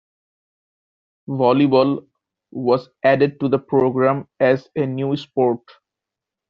Volleyball was added to the program as a new sport.